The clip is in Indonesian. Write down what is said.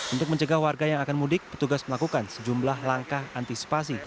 untuk mencegah warga yang akan mudik petugas melakukan sejumlah langkah antisipasi